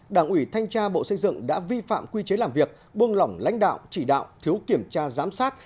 đảng ủy thanh tra bộ xây dựng đã vi phạm quy chế làm việc buông lỏng lãnh đạo chỉ đạo thiếu kiểm tra giám sát